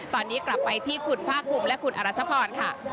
ตอนนี้กลับไปที่คุณภาคภูมิและคุณอรัชพรค่ะ